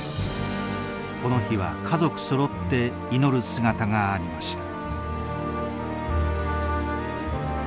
この日は家族そろって祈る姿がありました。